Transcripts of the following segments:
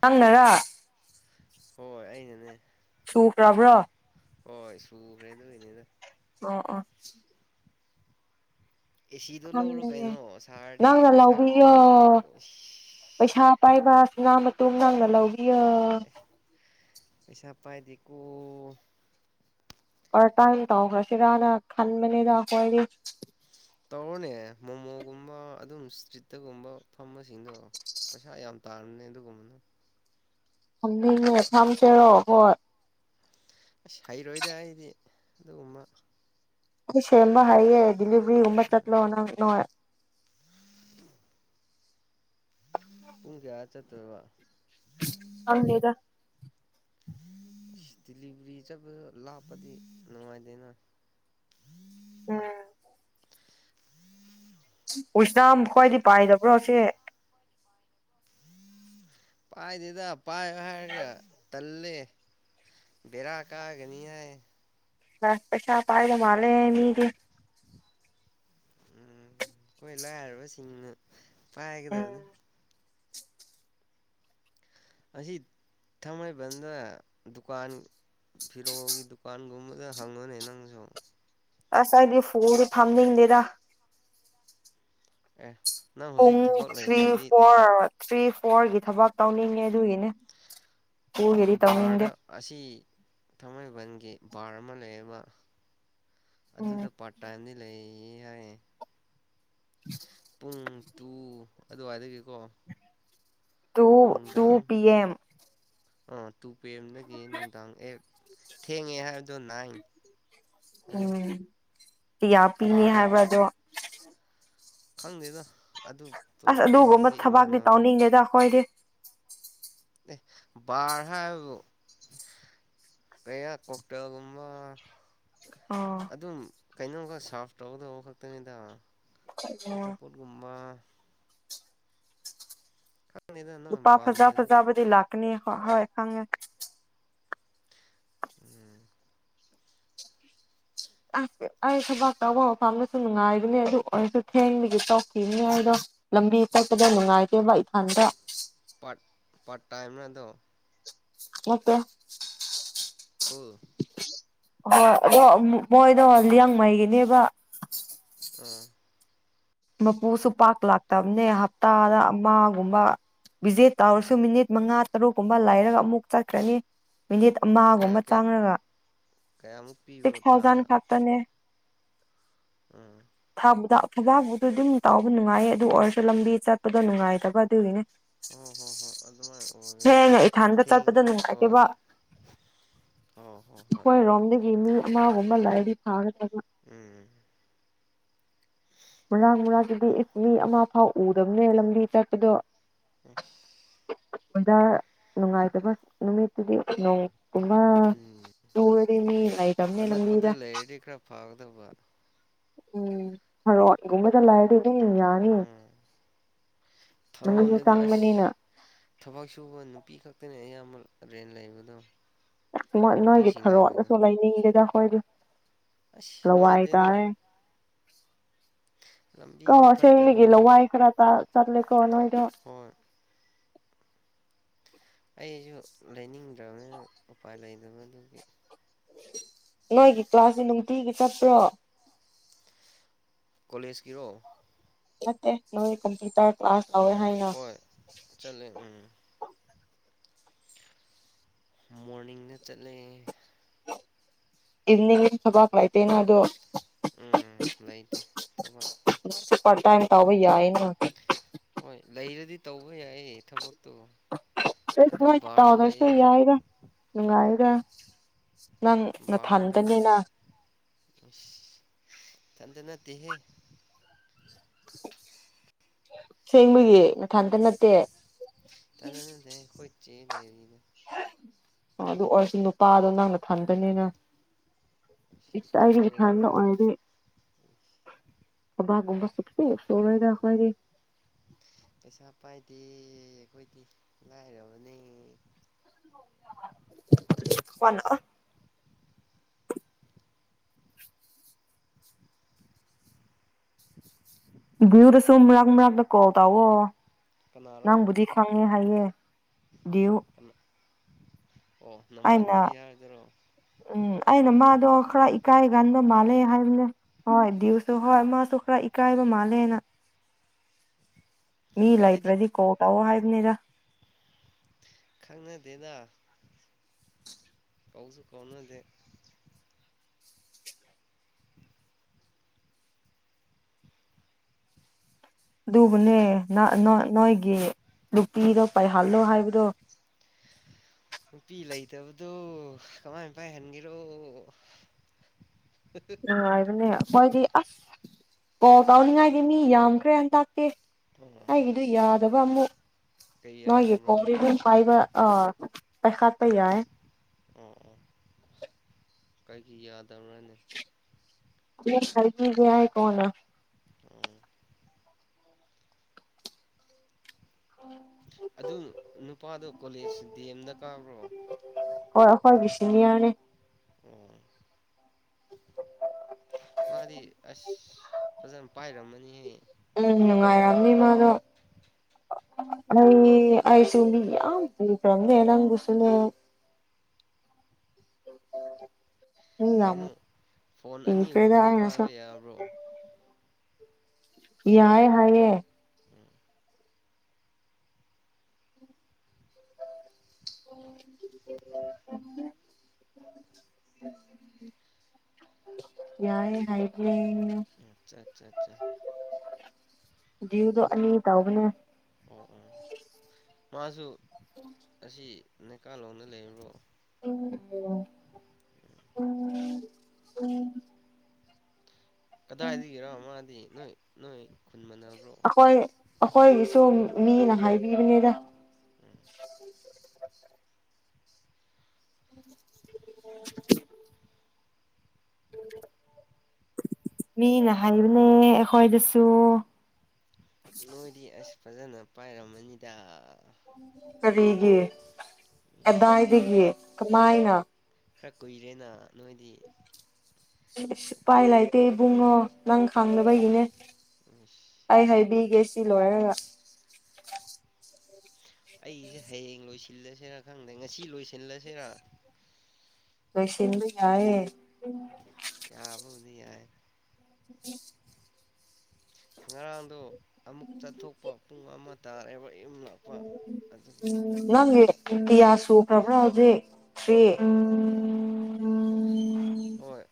ꯅꯪꯅꯔ ꯍꯣꯏ ꯑꯩꯅꯅꯦ ꯁꯨ ꯄ꯭ꯔꯕ꯭ꯔ ꯍꯣꯏ ꯁꯨ ꯐ꯭ꯔꯦꯗꯅꯦꯅ ꯑ ꯑꯥ ꯑꯦꯁꯤꯗꯣ ꯂꯧꯔꯣ ꯈꯪꯗꯌꯦꯦ ꯀꯩꯅꯣ ꯁꯥꯔꯗꯤ ꯅꯪꯅ ꯄꯩꯁꯥ ꯂꯧꯕꯤꯌꯣ ꯄꯩꯁꯥ ꯄꯥꯏꯕ ꯁꯤꯅꯥ ꯃꯇ ꯅꯪꯅ ꯂꯧꯕꯤꯌꯣ ꯑꯦ ꯑꯦ ꯑꯦ ꯄꯩꯁꯥ ꯄꯥꯏꯗꯀꯣ ꯊꯥꯟ ꯃꯅꯤꯗꯈꯣꯏꯗꯤ ꯇꯧꯔꯅꯦ ꯃꯣꯃꯣꯒꯨꯝꯕ ꯑꯗꯨꯝ ꯏꯁꯇ꯭ꯔꯤꯠꯇꯒꯨꯝꯕ ꯐꯝꯕꯁꯤꯡꯗꯣ ꯄꯩꯁꯥ ꯌꯥꯝ ꯇꯥꯔꯕꯅꯦ ꯑꯗꯨꯒꯨꯝꯕꯅ ꯊꯝꯕꯤꯦ ꯊꯝꯆꯦꯔꯣ ꯍꯣꯏ ꯑꯁ ꯍꯩꯔꯣꯏꯗ ꯑꯩꯗꯤ ꯑꯗꯨꯒꯨꯝꯕ ꯁꯦꯕ ꯍꯔꯌꯦꯦ ꯗꯦꯂꯤꯚꯔꯤꯒꯨꯝꯕ ꯆꯠꯂꯣꯅꯅꯣ ꯄꯨꯡ ꯀꯌꯥ ꯆꯠꯇꯦꯕ ꯑꯅꯦꯗ ꯗꯦꯂꯤꯚꯔꯤ ꯆꯕ ꯂꯥꯛꯞꯄꯗꯤ ꯅꯨꯡꯉꯥꯏꯗꯅ ꯎꯝ ꯎꯁꯅꯥꯝ ꯈ꯭ꯋꯥꯏꯗꯤ ꯄꯥꯏꯗꯕ꯭ꯔꯣꯁꯦ ꯎ ꯄꯥꯏ ꯗꯦꯗ ꯎꯄꯥꯥꯏ ꯍꯥꯏꯔꯒ ꯇꯜ ꯕꯔꯑ ꯀꯥꯒꯅꯤ ꯐꯁ ꯄꯁꯥ ꯄꯥꯏꯗ ꯃꯥꯂꯦ ꯃꯤꯗꯤ ꯎꯝ ꯀꯣꯏ ꯂ ꯍꯥꯏꯔꯔꯕ ꯁꯤꯁꯤꯡꯉ ꯄꯥ ꯎꯝ ꯍꯥꯏꯒꯗꯕꯅꯤ ꯑꯁꯤ ꯊꯥꯡꯃꯩꯕꯟꯗ ꯗꯨꯀꯥꯟ ꯐꯤꯔꯣꯒꯤ ꯗꯨꯀꯥꯟꯒꯨꯝꯕꯗ ꯍꯪꯉꯨꯅꯦ ꯅꯪꯁꯨ ꯑꯁ ꯑꯩꯗꯤ ꯐꯨꯗꯤ ꯐꯝꯅꯤꯡꯗꯦꯗ ꯑꯦ ꯅꯪ ꯍꯧꯖꯤꯛ ꯇꯨꯡ ꯊꯕꯛ ꯊ꯭ꯔꯤ ꯂꯩꯇ꯭ꯔꯗꯤ ꯐꯣꯔ ꯊ꯭ꯔꯤ ꯐꯣꯔꯒꯤ ꯊꯕꯛ ꯇꯧꯅꯤꯡꯉ ꯑꯗꯨꯒꯤꯅꯦ ꯄꯨꯒꯦꯗꯤ ꯇꯧꯅꯤꯡꯗꯦ ꯕꯥꯔꯗ ꯑꯁꯤ ꯊꯥꯡꯃꯩꯕꯟꯒꯤ ꯄꯔꯃ ꯂꯩꯕ ꯑꯗꯨꯗ ꯄꯥꯔꯠ ꯇꯥꯏꯝꯗꯤ ꯂꯩ ꯑꯦ ꯌꯥꯌꯦ ꯎꯝ ꯎꯝ ꯇꯨ ꯑꯗꯨꯋꯥꯏꯗꯒꯤꯀꯣ ꯇꯨ ꯇꯨ ꯄꯤ ꯑꯦꯦꯝ ꯑꯣ ꯇꯨ ꯄꯦ ꯑꯦꯝꯗꯒꯤ ꯅꯨꯡꯗꯥꯡ ꯑꯦꯞ ꯊꯦꯡꯉꯦ ꯍꯥꯏꯕꯗꯣ ꯅꯥꯏ ꯎꯝꯌꯥ ꯄꯤꯅꯤ ꯕꯥꯔꯗ ꯍꯥꯏꯕ ꯑꯗꯣ ꯈꯪꯗꯦꯗ ꯑꯗꯨ ꯑꯁ ꯇꯣꯂꯣꯞꯄꯨꯗꯤ ꯍꯪꯕꯤ ꯑꯗꯨꯒꯨꯝꯕ ꯊꯕꯥꯛꯇꯤ ꯏꯃꯥꯟꯅꯕ ꯇꯧꯅꯤꯡꯗꯦꯗ ꯑꯩꯈꯣꯏꯗꯤ ꯑꯦ ꯕꯥꯔ ꯍꯥꯏꯕꯕꯨ ꯀꯌꯥ ꯀꯣꯛꯇꯦꯜꯒꯨꯝꯕ ꯑꯣ ꯀꯩꯅꯣ ꯁꯥꯔ꯭ꯐ ꯇꯧꯒꯗꯧꯕ ꯈꯛꯇꯅꯦꯗ ꯑꯆꯥꯄꯣꯠꯒꯨꯝꯕ ꯈꯪꯅꯤꯗ ꯅꯪ ꯅꯨꯄꯥ ꯐꯖꯥ ꯄꯥꯝꯗ꯭ꯔꯗꯤ ꯐꯖꯥꯕꯗꯤ ꯂꯥꯛ ꯅꯤ ꯍꯣꯏ ꯈꯪꯉꯦ ꯎꯝ ꯑꯁ ꯑꯩ ꯊꯕꯥꯛ ꯇꯧꯕ ꯃꯐꯝꯗꯁꯨ ꯅꯨꯡꯉꯥꯏꯕꯅꯤ ꯑꯗꯨ ꯑꯣꯏꯔꯁꯨ ꯊꯦꯡꯕꯒꯤ ꯇꯣꯛꯈꯤꯕꯅꯤ ꯑꯩꯗꯣ ꯂꯝꯕꯤ ꯆꯠꯄꯗ ꯅꯨꯡꯉꯥꯏꯇꯦꯕ ꯑꯟꯗ꯭ꯔ ꯄꯥꯠꯄꯥꯠ ꯇꯥꯏꯦꯝꯅꯗꯣ ꯃ ꯐꯨꯜ ꯍꯣꯏ ꯑꯗꯣ ꯃꯣꯏꯗꯣ ꯂꯤꯌꯥꯡꯃꯩꯒꯤꯅꯦꯕ ꯑꯝ ꯃꯄꯨꯁꯨ ꯄꯥꯛ ꯂꯥꯛꯇꯕꯅꯦ ꯍꯞꯇꯥꯗ ꯑꯃꯒꯨꯝꯕ ꯚꯤꯖꯤꯠ ꯑꯥ ꯇꯧꯔꯁꯨ ꯃꯤꯅꯤꯠ ꯃꯉꯥ ꯇꯔꯨꯛ ꯀꯨꯝꯕ ꯂꯩꯔꯒ ꯑꯃꯨꯛ ꯆꯠꯈ꯭ꯔꯅꯤ ꯃꯤꯅꯤꯠ ꯀꯌꯥ ꯑꯃꯒꯨꯝꯕ ꯀꯌꯥ ꯆꯥꯡꯉꯒ ꯀꯌꯥꯃꯨꯛ ꯄꯤꯕ꯭ꯔꯣ ꯁꯤꯛꯁ ꯊꯥꯎꯖꯟ ꯊꯥꯗ ꯈꯛꯇꯅꯦ ꯎꯝ ꯊꯝꯕꯗ ꯊꯕꯕꯨ ꯑꯗꯨ ꯑꯗꯨꯝ ꯇꯥꯎꯕ ꯅꯨꯡꯉꯥꯏꯌꯦ ꯑꯗꯨ ꯑꯣꯏꯔꯁꯨ ꯂꯝꯕꯤ ꯆꯠꯄꯗꯣ ꯅꯨꯡꯉꯥꯏꯇꯕ ꯑꯗꯨꯒꯤꯅꯦ ꯍꯣꯏ ꯍꯣꯏ ꯍꯣꯏ ꯑꯗꯨꯃꯥꯏꯅ ꯑꯣꯏꯒꯅꯤ ꯊꯦꯡꯅ ꯏꯊꯟꯗ ꯊꯦꯡ ꯆꯠꯄꯗ ꯍꯣꯏ ꯅꯨꯡꯉꯥꯏꯇꯦꯕ ꯍꯣ ꯍꯣꯏ ꯍꯣꯏ ꯑꯩꯈꯣꯏꯔꯣꯝꯗꯒꯤ ꯃꯤ ꯑꯃꯒꯨꯝꯕ ꯂꯩꯔꯗꯤ ꯐꯒꯗꯕ ꯎꯝ ꯃꯔꯥꯛ ꯃꯔꯛꯇꯗꯤ ꯏꯁ ꯃꯤ ꯑꯃ ꯐꯥꯎ ꯎꯗꯕꯅꯦ ꯂꯝꯕꯤ ꯆꯠꯄꯗꯣ ꯎ ꯑꯣꯖꯥ ꯅꯨꯡꯉꯥꯏꯇꯕ ꯅꯨꯃꯤꯠꯇꯨꯗꯤ ꯅꯨꯡ ꯎꯃ ꯎꯝ ꯅꯨꯔꯤꯅꯤ ꯂꯩ ꯇꯝꯅꯦ ꯂꯝ ꯑꯅꯛꯄꯗ ꯃꯤꯗ ꯂꯩꯔꯗꯤ ꯈꯔ ꯐꯒꯗꯕ ꯎꯝ ꯍꯔꯣꯗ ꯒꯨꯝꯕꯗ ꯂꯩꯔꯗꯤ ꯑꯗꯨꯝ ꯌꯥꯅꯤ ꯎ ꯅꯨꯃꯤꯠꯁꯨ ꯊꯥꯔꯣꯟꯗꯗꯤ ꯑꯁ ꯆꯪꯕꯅꯤꯅ ꯊꯕꯛ ꯁꯨꯕ ꯅꯨꯄꯤ ꯈꯛ ꯈꯛꯇꯅꯦ ꯑꯌꯥꯝꯕ ꯔꯦꯟ ꯂꯩꯕꯗꯣ ꯑ ꯅꯣꯏꯒꯤ ꯅꯨꯄꯤꯁꯤꯡ ꯂꯩꯕꯗꯣ ꯊꯔꯣꯅꯁꯨ ꯂꯩꯅꯤꯡꯗꯦꯗ ꯑꯣꯏꯣꯏꯗ ꯑꯁ ꯅꯨꯡꯉꯥꯏꯇꯦꯗ ꯁ꯭ꯂꯧꯥꯏꯇꯥꯔꯦ ꯂꯝꯕꯤꯅ ꯀꯣꯁꯦꯅꯤꯒꯦꯂ ꯐꯠꯇꯕꯅꯦ ꯋꯥ ꯑꯩ ꯈꯔ ꯑ ꯆꯠ ꯂꯀꯣꯏ ꯍꯣꯏ ꯑꯩꯁꯨ ꯂꯩꯅꯤꯡꯗ꯭ꯔꯕꯅꯤꯅ ꯎꯄꯥꯏ ꯂꯩꯗꯕ ꯑꯗꯨꯒꯤ ꯅꯣꯏꯒꯤ ꯀ꯭ꯂꯥꯁꯁꯤ ꯅꯨꯡꯇꯤꯒꯤ ꯆꯠꯄ꯭ꯔꯣ ꯀꯣꯂꯦꯖꯀꯤꯔꯣ ꯃꯠꯇꯦ ꯅꯣꯏ ꯀꯝꯄ꯭ꯨꯇꯔ ꯑꯥꯁ ꯑꯋ ꯑꯣ ꯍꯥꯏꯒ ꯍꯣꯏ ꯆꯠꯂꯦ ꯎꯝ ꯃꯣꯔꯅꯤꯡꯅ ꯆꯠꯂꯦ ꯏꯅꯤꯡ ꯊꯕꯥꯥꯛ ꯂꯥꯏꯇꯦꯩꯅ ꯑꯗꯨꯣ ꯎꯝ ꯂꯩꯇꯦ ꯊꯕꯛ ꯄꯔ ꯇꯥꯏꯝ ꯇ ꯌꯥꯏꯅ ꯍꯣꯏ ꯂꯩꯔꯗꯤ ꯇꯧꯕ ꯌꯥꯏ ꯊꯕꯛ ꯆ ꯂꯩ ꯇꯥꯎꯗꯔꯁꯨ ꯍꯥꯏꯕ ꯌꯥꯏꯒ ꯃ [unintelligible] ꯅꯪ ꯅꯊꯟꯗꯅꯦꯅ ꯊꯗꯅ ꯇꯍꯦ ꯁꯦꯡꯕꯒꯤ ꯅ ꯊꯟꯇ ꯅꯠꯇꯦ ꯇꯅ ꯅ ꯈꯣꯏ ꯂꯩꯔꯤ ꯑꯗꯨ ꯑꯣꯏꯔꯁꯨ ꯅꯨꯄꯥꯗꯣ ꯅꯪꯅ ꯊꯟꯗꯅꯦꯅ ꯏꯊꯟꯇ ꯏꯁꯇꯥꯏꯗꯤ ꯊꯟꯗ ꯑꯣꯏꯔꯒ ꯑꯣꯏꯗꯤ ꯨꯝꯕ ꯁꯛꯇꯄꯤ ꯆꯉꯣꯏꯗꯈꯣꯏꯗꯤ ꯄꯩꯁꯥ ꯄꯥꯏꯗꯤ ꯀꯣꯏꯗꯤ ꯂꯥꯏꯔꯕ ꯅ ꯐꯅ ꯨꯗꯁꯨꯨꯝ ꯃꯔꯛꯥꯛ ꯃꯔꯛꯗ ꯀꯣ ꯇꯑꯣꯣ ꯀꯅꯥꯔꯣ ꯅꯪꯕꯨꯗꯤ ꯈꯪꯉꯦ ꯍꯥꯏꯌꯦ ꯗꯨ ꯀꯅꯥ ꯑꯣ ꯑꯩꯅ ꯅꯃꯥꯟꯅꯕꯤ ꯍꯥꯏꯗꯨꯔꯣ ꯎꯝ ꯑꯩꯅ ꯃꯥꯗꯣ ꯈꯔ ꯏꯀꯥꯏꯒꯥꯟ ꯃꯥꯂꯦ ꯍꯥꯏꯔꯂꯦ ꯍꯗꯤꯁꯨ ꯍ ꯃꯁꯨ ꯄꯨꯔꯥ ꯏꯀꯥꯏꯕ ꯃꯥꯜꯂꯦꯅ ꯃꯤꯂ ꯑꯩꯗꯤ ꯑꯌꯨꯋꯦꯗꯤ ꯀꯣ ꯇ ꯍꯥꯏ ꯔ ꯈꯪꯅ ꯗꯦꯗꯥ ꯀꯥꯎꯖ ꯀꯥꯎꯅ ꯗꯦ ꯑꯗꯨꯕꯨꯅꯦ ꯅ ꯅꯣꯏꯒꯤ ꯅꯨꯄꯤꯗꯣ ꯄꯥꯏꯍꯜꯂꯣ ꯍꯥꯏꯕꯗꯣ ꯅꯨꯄꯤ ꯂꯩꯇꯕꯗꯣ ꯀꯃꯥꯏꯅ ꯄꯥꯏꯍꯟꯒꯦꯔꯣ ꯑꯣ ꯍꯥꯏꯅ ꯍꯣꯏꯗꯤ ꯑꯁ ꯀꯣ ꯀꯥꯎꯅꯤꯡꯉꯥꯏꯗꯤ ꯃꯤ ꯌꯥꯝꯈ꯭ꯔꯦ ꯑꯟꯇ ꯑꯦ ꯑꯣ ꯑꯩꯒꯤꯗꯨ ꯌꯥꯗꯕ ꯑꯃꯨꯛ ꯀꯩ ꯃꯥꯒꯤ ꯌꯥꯗꯕ꯭ꯔꯥꯅꯦ ꯀꯣꯔꯤꯗꯨꯝ ꯄꯥꯏꯕ ꯑ ꯇꯩꯁ ꯄ ꯌꯥꯦ ꯑꯣ ꯑꯣ ꯀꯥꯏꯒꯤꯗ ꯇꯧꯔꯅꯤ ꯍꯔꯀꯤꯖꯦꯏ ꯀꯅ ꯑꯣ ꯑꯗꯨ ꯅꯨꯄꯥꯗꯣ ꯀꯣꯂꯦꯖ ꯗ ꯑꯦꯝꯗ ꯀꯥꯈ꯭ꯔꯣ ꯍꯣꯏ ꯑꯩꯈꯣꯏꯒꯤ ꯁꯤꯅꯤꯌꯔꯅꯦ ꯎꯝ ꯃꯥꯗꯤ ꯑꯁ ꯐꯖꯅ ꯄꯥꯏꯔꯝꯃꯅꯤꯍꯦ ꯎꯝ ꯅꯨꯡꯉꯥꯏꯔꯝꯅꯤ ꯃꯥꯗꯣ ꯅꯣꯏ ꯑꯩꯁꯨ ꯃꯤ ꯌꯥꯝ ꯄꯨꯏꯈ꯭ꯔꯝꯅꯦꯦ ꯅꯪꯕꯨꯁꯨꯂ ꯃꯤ ꯌꯥꯝ ꯀꯩꯅꯣ ꯐꯣꯟ ꯄꯤꯈ꯭ꯔꯦꯗ ꯑꯅꯤꯒꯨꯝꯅꯗꯤ ꯑꯩꯅꯁꯨ ꯄꯥꯏꯕ ꯌꯥꯕ꯭ꯔꯣ ꯌꯥꯏꯑ ꯍꯥꯏꯌꯦꯦ ꯌꯥꯏꯦ ꯍꯥꯏꯗꯤ ꯑꯆꯥ ꯑꯆꯥ ꯑꯆꯥ ꯗ ꯑꯣ ꯑꯣ ꯃꯥꯁꯨ ꯑꯁꯤ ꯅ ꯀꯥꯂꯣꯅ ꯂꯩꯕ꯭ꯔꯣ ꯎ ꯎꯝ ꯎꯝ ꯀꯗꯥꯏꯗꯤꯒꯦꯔꯣ ꯃꯥꯗꯤ ꯅꯣꯏ ꯅꯣꯏ ꯈꯨꯟ ꯃꯕ꯭ꯔꯣ ꯑꯩꯈꯣꯏꯒꯤ ꯁ ꯃꯤꯅ ꯍꯥꯏꯕꯤꯕꯅꯤꯗ ꯎ [unintelligible] [unintelligible] ꯃꯤ ꯅꯍꯥꯏꯕꯅꯦꯈꯣꯏꯗꯁꯨ ꯅꯣꯏꯗꯤꯁ ꯐꯖꯅ ꯄꯥꯏꯔꯝꯃꯅꯤꯗ ꯑꯗ ꯍꯒ ꯑꯦꯗꯥ ꯏꯁ ꯍꯥꯏꯗꯤꯒ ꯃꯥꯥꯏ ꯍꯥ ꯈꯔ ꯀꯨꯏꯔꯦꯅ ꯅꯣꯏꯗꯤ ꯄꯥꯏ ꯂꯩꯥꯏꯗꯦ ꯨꯡꯉꯣ ꯅꯪꯈꯥꯡꯂꯕꯏꯅꯦ ꯏꯁ ꯍꯥꯏ ꯍꯣꯏ ꯒꯁ ꯁꯤ ꯂꯣꯏꯔꯒ ꯑꯩꯁꯦ ꯍꯌꯦꯡ ꯂꯣꯏꯁꯤꯜꯂꯁꯤꯦꯔꯥ ꯈꯪꯗꯦ ꯉꯁꯤ ꯂꯣꯏꯁꯤꯜꯂꯁꯤꯔ ꯀꯁꯅ ꯌꯥꯌꯦ ꯌꯥ ꯎꯗꯤꯥꯏ ꯎ ꯉꯔꯥꯡꯗꯣ ꯑꯃꯨꯛ ꯆꯠꯊꯣꯛꯄ ꯄꯨꯡ ꯑꯃ ꯇꯥꯔ ꯑꯦꯕ ꯅꯪꯉꯌꯥꯁꯨ ꯄ꯭ꯔꯕ꯭ꯔ ꯍꯧꯖꯦ ꯊ꯭ꯔꯤ ꯎꯝ ꯍꯣꯏ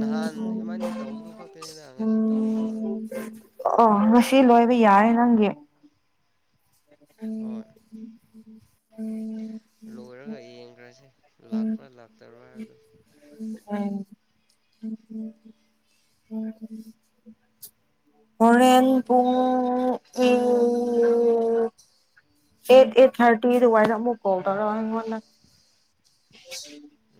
ꯅꯍꯥꯟ ꯏꯃꯅꯤ ꯇꯧꯕꯗꯨ ꯈꯛꯇꯅꯤꯗ ꯉꯁꯤ ꯇꯧꯕ ꯁꯤ ꯂꯣꯏꯕ ꯌꯥꯔꯦ ꯅꯪꯒꯤ ꯎꯝ ꯍꯣꯏ ꯎꯝ ꯂꯣꯏꯔꯒ ꯌꯦꯡꯈ꯭ꯔꯁꯦ ꯂꯥꯛꯄ꯭ꯔꯥ ꯂꯥꯛꯇꯕ꯭ꯔꯥ ꯍꯥꯏꯕꯗ ꯍꯣꯔꯦꯟ ꯄꯨꯡ ꯑꯩꯠ ꯑꯦꯠ ꯊꯥꯔꯇꯤ ꯑꯗꯨ ꯋꯥꯏꯗ ꯑꯃꯨꯛ ꯀꯣꯜ ꯇꯧꯔꯪꯉꯣꯟꯗ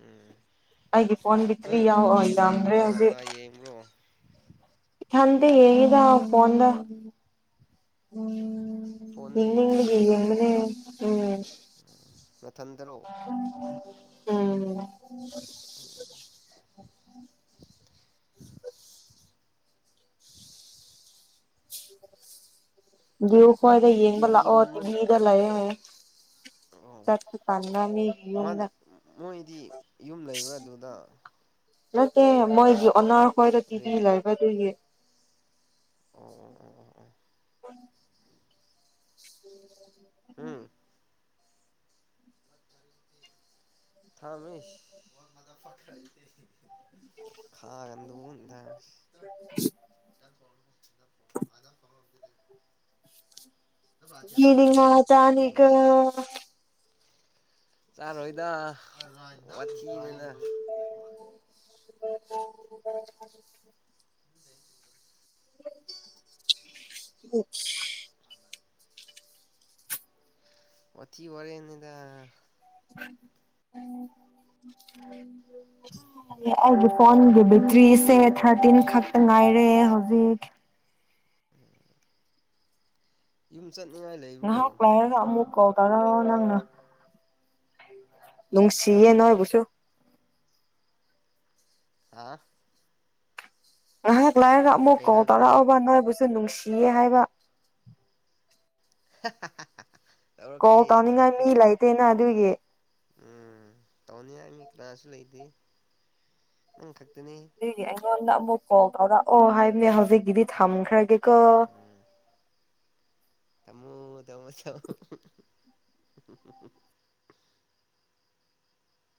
ꯎꯝ ꯑꯩꯒꯤ ꯐꯣꯟ ꯇ꯭ꯔꯤ ꯅꯣꯏ ꯕꯣꯜ ꯌꯥꯎꯑꯣ ꯌꯦꯡꯕꯗꯤ ꯌꯥꯝꯗ꯭ꯔꯦ ꯀꯅꯥ ꯍꯧꯖꯤꯛ ꯀꯅꯥ ꯌꯦꯡꯕ꯭ꯔꯣ ꯊꯟꯗ ꯍꯗ ꯐꯗ ꯎꯝ ꯐꯣꯟꯗ ꯏ ꯏꯒ ꯌꯦꯡꯕ꯭ꯔꯅꯦ ꯌꯦꯡꯃꯅꯦ ꯎꯝ ꯅꯊꯟꯇꯔꯣ ꯎꯝ ꯎꯝ [unintelligible] ꯍ꯭ꯣꯏꯏꯗ ꯌꯦꯡꯕ ꯂꯥꯛꯑꯣ ꯇꯤꯚꯤꯒꯨꯝꯕ ꯇꯤꯚꯤꯗ ꯂꯩꯌꯦꯡ ꯑꯣ ꯃꯤꯒꯤ ꯃꯥ ꯌꯨꯝꯗ ꯃꯣꯏꯗꯤ ꯌꯨꯝ ꯂꯩꯔꯨꯔ ꯑꯗꯨꯗ ꯅꯠꯇꯦ ꯃꯣꯏꯖꯤ ꯑꯔ ꯑꯩꯈꯣꯏꯗ ꯔꯦꯟ ꯇꯤꯗꯤ ꯂꯩꯕ ꯑꯗꯨꯏꯌꯦ ꯑꯣ ꯑꯣ ꯑꯣ ꯑꯣ ꯑꯣ ꯎ ꯑꯣ ꯎꯝ ꯊꯃꯤꯁ ꯈꯥ ꯀꯟꯗꯣ ꯍꯟꯗ ꯒꯤꯅꯤ ꯃꯥ ꯆꯥꯅꯤꯒ ꯎꯝ ꯆꯥꯔꯣꯏꯗ ꯋꯥꯊꯤꯅꯤꯗ ꯎ ꯎ ꯋꯥꯊꯤ ꯋꯥꯔꯦꯝꯅꯦꯗ ꯑꯩꯒꯤ ꯐꯣꯟꯒꯤ ꯕꯦꯇ꯭ꯔꯤꯁꯦ ꯊꯥꯔꯇꯤꯟ ꯈꯛꯇ ꯉꯥꯏꯔꯦ ꯍꯧꯖꯤꯛ ꯏ ꯉꯥꯍꯥꯛ ꯂꯩꯔꯒ ꯑꯃꯨꯛ ꯀꯣꯜ ꯇꯔꯛꯑꯣ ꯅꯪꯅ ꯅꯨꯡꯁꯤꯌꯦ ꯎꯝ ꯅꯣꯏ ꯕꯨꯁꯨ ꯑ ꯑ ꯂꯥꯏꯔꯒ ꯑꯃꯨꯛ ꯀꯩ ꯀꯣꯜ ꯍꯥꯏꯕꯅꯣ ꯇꯔꯑꯣꯕ ꯅꯣꯏꯕꯨ ꯁꯨ ꯅꯨꯡꯁꯤꯌꯦ ꯍꯥꯏꯕ [unintelligible] ꯀꯣꯜ ꯇꯧꯅꯤꯉꯥꯏ ꯇꯧꯔꯛꯀꯦ ꯃꯤꯂꯥꯏꯇꯦꯅ ꯑꯗꯨꯒꯤ ꯎꯝ ꯇꯧꯅꯤꯉꯥꯏ ꯃꯤ ꯀꯅꯥꯁꯨ ꯂꯩꯇꯦ ꯅꯪ ꯈꯛ ꯒꯤ ꯑꯩꯉꯣꯟꯗ ꯑꯃꯨꯛ ꯀꯣꯜ ꯇꯧꯔꯛꯑꯣ ꯍꯥꯏꯕꯅꯦ ꯍꯧꯖꯤꯛꯀꯤꯗꯤ ꯊꯝꯈ꯭ꯔꯒꯦꯀꯣ ꯊꯝꯃꯣ ꯊꯝꯃꯣ